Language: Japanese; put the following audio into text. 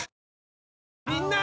みんな！